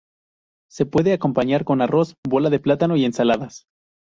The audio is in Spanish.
Se puede acompañar con arroz, bola de plátano y ensaladas.